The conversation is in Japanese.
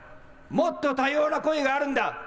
もっと多様な声があるんだ。